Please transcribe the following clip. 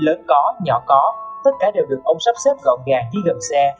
lớn có nhỏ có tất cả đều được ông sắp xếp gọn gàng dưới gầm xe